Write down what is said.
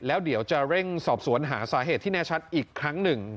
แล้วเดี๋ยวจะเร่งสอบสวนหาสาเหตุที่แน่ชัดอีกครั้งหนึ่ง